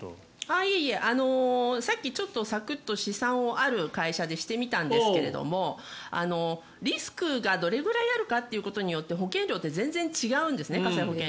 さっきちょっとサクッと試算をある会社でしてみたんですがリスクがどれくらいあるかということによって火災保険料って全然違うんですね。